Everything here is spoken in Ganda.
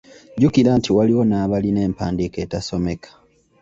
Jjukira nti waliwo n'abalina empandiika etasomeka.